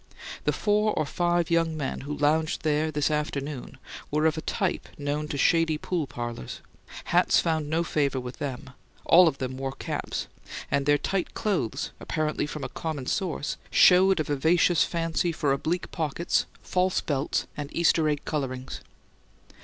The four or five young men who lounged there this afternoon were of a type known to shady pool parlours. Hats found no favour with them; all of them wore caps; and their tight clothes, apparently from a common source, showed a vivacious fancy for oblique pockets, false belts, and Easter egg colourings.